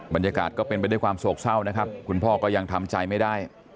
บรรยากาศก็เป็นไปด้วยความโศกเศร้านะครับคุณพ่อก็ยังทำใจไม่ได้